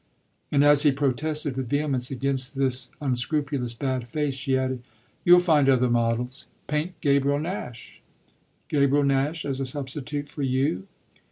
And as he protested with vehemence against this unscrupulous bad faith she added: "You'll find other models. Paint Gabriel Nash." "Gabriel Nash as a substitute for you?"